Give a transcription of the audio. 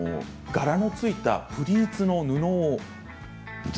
柄のついたプリーツの布。